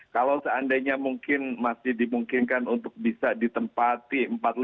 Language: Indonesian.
kalau seandainya mungkin masih dimungkinkan untuk bisa ditempati empat ratus lima puluh lima